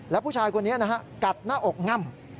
และผู้ชายคนนี้กัดหน้าอกง่ำ